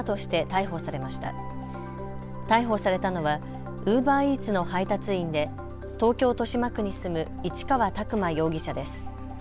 逮捕されたのはウーバーイーツの配達員で東京豊島区に住む市川拓磨容疑者です。